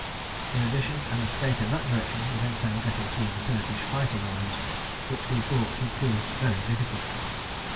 In addition, an escape in that direction would entail getting through the Turkish fighting lines, which we thought would prove very difficult.